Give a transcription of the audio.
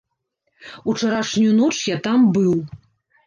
Учарашнюю ноч я там быў.